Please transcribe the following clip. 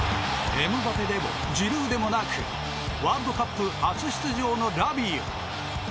エムバペでもジルーでもなくワールドカップ初出場のラビオ。